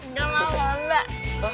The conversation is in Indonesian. engkau mau mbak